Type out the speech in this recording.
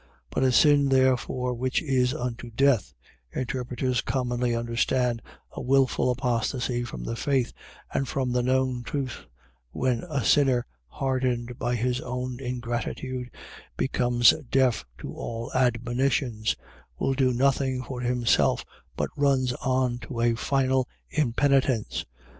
By a sin therefore which is unto death, interpreters commonly understand a wilfull apostasy from the faith, and from the known truth, when a sinner, hardened by his own ingratitude, becomes deaf to all admonitions, will do nothing for himself, but runs on to a final impenitence.